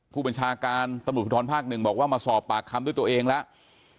คุณบัญชาการตมภิษฐรภาค๑บอกว่ามาสอบปากคำด้วยตัวเองแล้ว